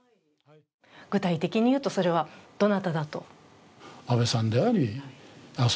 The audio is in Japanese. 具体的に言うと、それはどなただと？